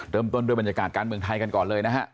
เริ่มต้นด้วยบรรยากาศการเมืองไทยกันก่อนเลยนะฮะ